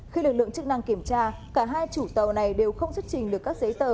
khi lực lượng chức năng kiểm tra cả hai chủ tàu này đều không xuất trình được các giấy tờ